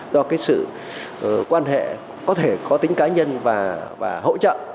do cái sự quan hệ có thể có tính cá nhân và hỗ trợ